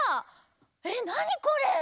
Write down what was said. えっなにこれ？